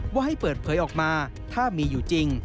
ว่าให้เปิดเผยออกมาถ้ามีอยู่จริง